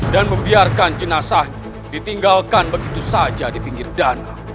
dan membiarkan jenazahnya ditinggalkan begitu saja di pinggir dana